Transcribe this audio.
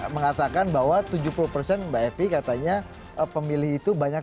kembali ke pertanyaan yang